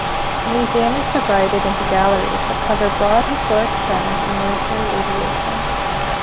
The museum is divided into galleries that cover broad historic trends in military aviation.